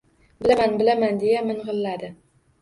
— Bilaman, bilaman... — deya ming‘illadi.